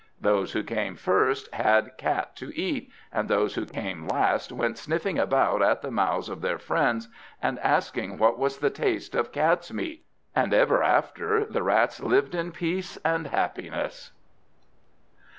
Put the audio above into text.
Those who came first had cat to eat, and those who came last went sniffing about at the mouths of their friends, and asking what was the taste of catsmeat. And ever after the Rats lived in peace and happiness.